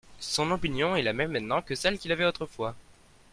Son opinion est la même maintenant que celle qu'il avait autrefois.